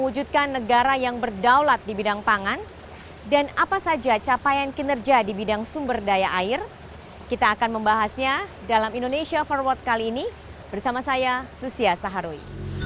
kita akan membahasnya dalam indonesia forward kali ini bersama saya lucia saharuy